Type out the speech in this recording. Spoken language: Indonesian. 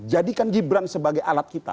jadikan gibran sebagai alat kita